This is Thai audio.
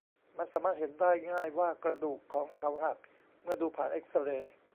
มันสามารถเห็นได้ง่ายว่ากระดูกของเขาหักเมื่อดูผ่านเอ็กซเรย์